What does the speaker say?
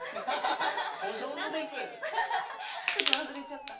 ちょっとわすれちゃった。